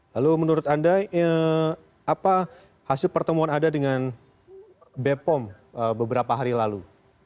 lalu menurut anda apa hasil pertemuan anda dengan bepom beberapa hari lalu